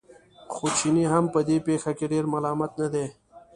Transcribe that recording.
خو چینی هم په دې پېښه کې ډېر ملامت نه دی.